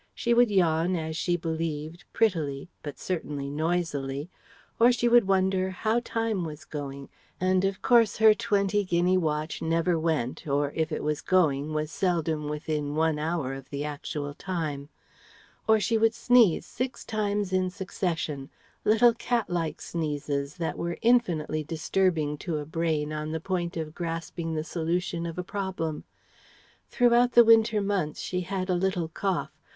She would yawn, as she believed "prettily," but certainly noisily; or she would wonder "how time was going," and of course her twenty guinea watch never went, or if it was going was seldom within one hour of the actual time. Or she would sneeze six times in succession little cat like sneezes that were infinitely disturbing to a brain on the point of grasping the solution of a problem. Throughout the winter months she had a little cough.